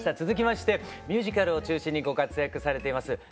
続きましてミュージカルを中心にご活躍されています